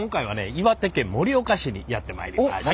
岩手県盛岡市にやって参りました。